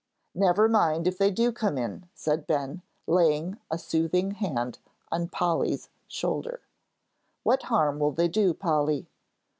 "Never mind if they do come in," said Ben, laying a soothing hand on Polly's shoulder. "What harm will they do, Polly?"